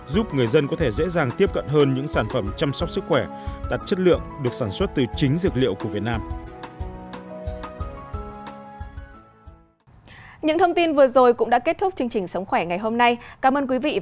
giúp người dân có thể dễ dàng tiếp cận hơn những sản phẩm chăm sóc sức khỏe đặt chất lượng được sản xuất từ chính dược liệu của việt nam